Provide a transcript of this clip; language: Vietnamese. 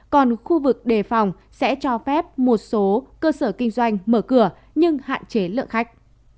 còn khu vực đề phòng sẽ cho phép một số cơ sở kinh doanh mở cửa nhưng hạn chế lượng khách